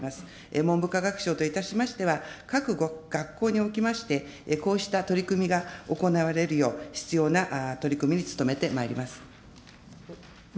文部科学省といたしましては、各学校におきまして、こうした取り組みが行われるよう、必要な取り組みに努めてまいります。